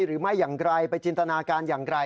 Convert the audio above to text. หรือไม่อย่างไรไปจินตนาการอย่างไร